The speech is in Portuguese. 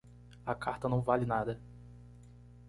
A carta não vale nada.